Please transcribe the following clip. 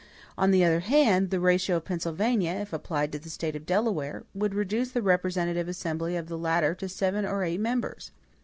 On the other hand, the ratio of Pennsylvania, if applied to the State of Delaware, would reduce the representative assembly of the latter to seven or eight members.